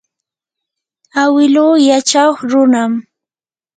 awilu yachaw runam.